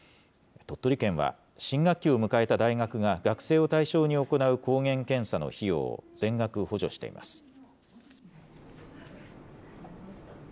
鳥取県は、新学期を迎えた大学が学生を対象に行う抗原検査の費用を、全額補助しています。